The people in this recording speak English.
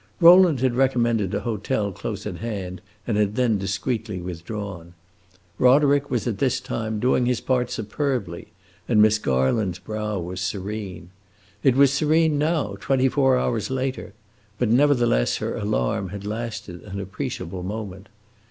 Rowland had recommended a hotel close at hand, and had then discreetly withdrawn. Roderick was at this time doing his part superbly, and Miss Garland's brow was serene. It was serene now, twenty four hours later; but nevertheless, her alarm had lasted an appreciable moment.